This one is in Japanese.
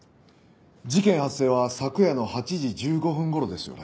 事件発生は昨夜の８時１５分頃ですよね？